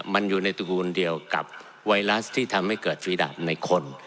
มันอยู่ในตระกูลเดียวกับไวรัสที่ทำให้เกิดฟีดาตในคน